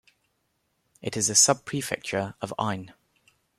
It is a subprefecture of Ain.